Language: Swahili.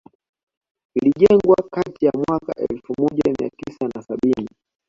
Ilijengwa kati ya mwaka elfu moja mia tisa na sabini